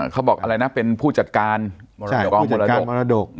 เขาบอกเป็นผู้จัดการมรดก